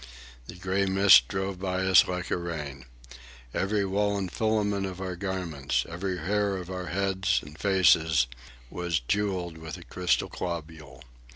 The grey mist drove by us like a rain. Every woollen filament of our garments, every hair of our heads and faces, was jewelled with a crystal globule.